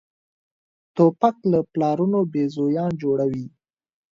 توپک له پلارونو بېزویان جوړوي.